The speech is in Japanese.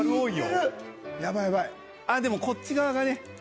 あっでもこっち側がね。